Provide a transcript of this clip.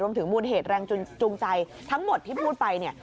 มูลเหตุแรงจูงใจทั้งหมดที่พูดไปเนี่ย